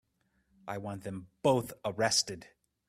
I want them both arrested.